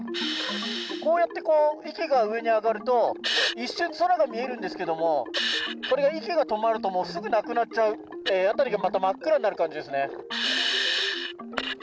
こうやって息が上に上がると、一瞬、空が見えるんですけども、これが息が止まると、もうすぐなくなっちゃう、辺りがまた、真っ暗になる感じですね。